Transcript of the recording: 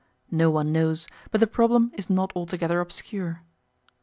No one knows, but the problem is not altogether obscure.